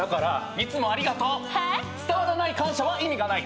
伝わらない感謝は意味がない。